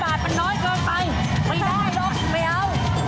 ไม่ได้หรอกไม่เอา